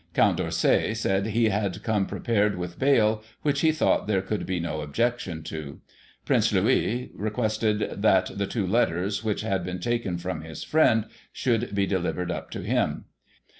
Count D'Orsay said, he had come prepared with bail, which he thought there could be no objection to. Prince Louis requested that the two letters, which had been taken from his friend, should be delivered up to him.